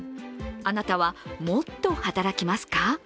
あなたはもっと働きますか？